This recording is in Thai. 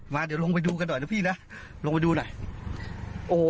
เดี๋ยวลงไปดูกันหน่อยนะพี่นะลงไปดูหน่อยโอ้